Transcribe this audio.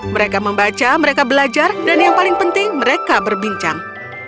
mereka membaca mereka belajar dan yang paling penting mereka berbincang